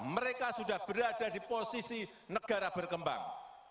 mereka sudah berada di posisi negara berkembang